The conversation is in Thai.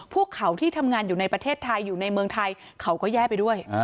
พวกเขาที่ทำงานอยู่ในประเทศไทยอยู่ในเมืองไทยเขาก็แย่ไปด้วย